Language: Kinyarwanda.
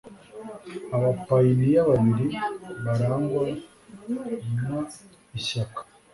abapayiniya babiri barangwa n ishyaka